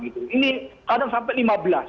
ini kadang sampai lima belas